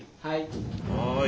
はい。